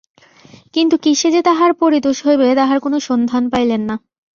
কিন্তু কিসে যে তাহার পরিতোষ হইবে তাহার কোনো সন্ধান পাইলেন না।